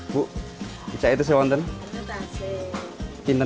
bu kicak itu siapa